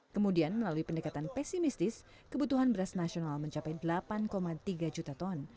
kemudian melalui pendekatan pesimistis kebutuhan beras nasional mencapai delapan tiga juta ton